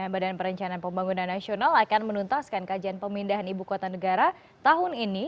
badan perencanaan pembangunan nasional akan menuntaskan kajian pemindahan ibu kota negara tahun ini